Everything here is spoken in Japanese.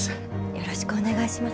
よろしくお願いします。